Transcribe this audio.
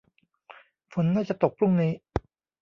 ฝนน่าจะตกพรุ่งนี้